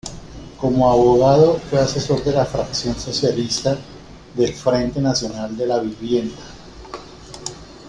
Como abogado, fue asesor de la fracción socialista del Frente Nacional de la Vivienda.